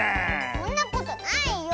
そんなことないよ！